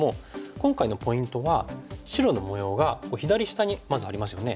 今回のポイントは白の模様が左下にまずありますよね。